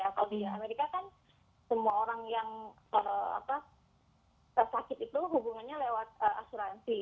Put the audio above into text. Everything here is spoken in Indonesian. kalau di amerika kan semua orang yang sakit itu hubungannya lewat asuransi